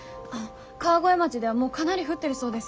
川越町ではもうかなり降ってるそうです。